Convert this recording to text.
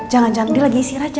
jangan jangan dia lagi isi aja